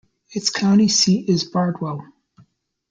Its county seat is Bardwell.